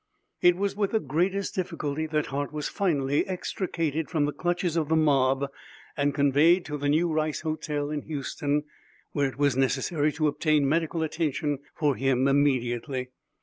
It was with greatest difficulty that Hart was finally extricated from the clutches of the mob and conveyed to the new Rice Hotel in Houston, where it was necessary to obtain medical attention for him immediately.